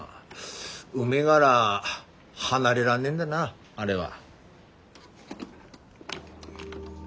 海がら離れらんねえんだなあれは。